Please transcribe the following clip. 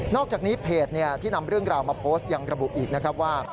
อกจากนี้เพจที่นำเรื่องราวมาโพสต์ยังระบุอีกนะครับว่า